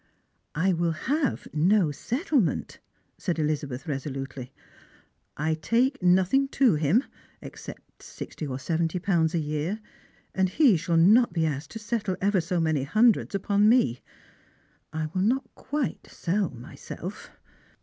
" I will have no settlement," said Elizabeth resolutely. " 1 take nothing to him, except sixty or seventy pounds a year, and he shall not be asfced to settle ever so many hundreds upon me. I will not quite sell myself.